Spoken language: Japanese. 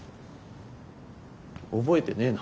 覚えてねえな。